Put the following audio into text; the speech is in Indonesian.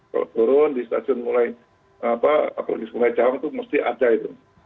kalau turun di stasiun mulai apalagi di stasiun mulai cawang itu mesti ada itu